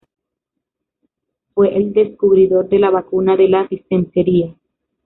Fue el descubridor de la vacuna de la disentería.